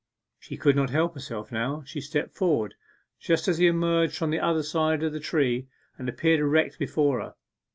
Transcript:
She could not help herself now. She stepped forward just as he emerged from the other side of the tree and appeared erect before her.